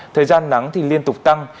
thời gian nắng thì liên tục tăng